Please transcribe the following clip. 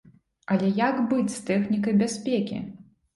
Але як быць з тэхнікай бяспекі?